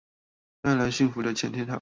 帶來幸福的錢天堂